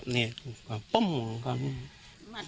พันให้หมดตั้ง๓คนเลยพันให้หมดตั้ง๓คนเลย